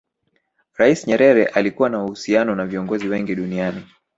rais nyerere alikuwa na uhusiano na viongozi wengi duniani